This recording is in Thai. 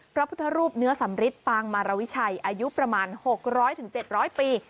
พระพุทธรูปเนื้อสำริทปางมารวิชัยอายุประมาณ๖๐๐๗๐๐ปี